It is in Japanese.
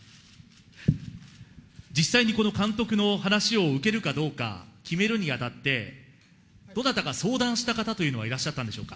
実際にこの監督の話を受けるかどうか決めるにあたって、どなたか、相談した方というのはいらっしゃったんでしょうか。